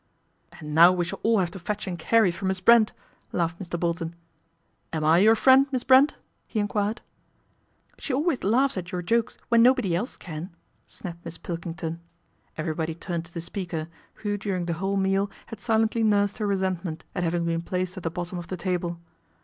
" And now we shall all have to fetch and carry for Miss Brent," laughed Mr. Bolton. " Am I your friend, Miss Brent ?" he enquired. " She always laughs at your jokes when nobody else can," snapped Miss Pilkington. Everybody turned to the speaker, who during the whole meal had silently nursed her resentment at having been placed at the bottom of the table.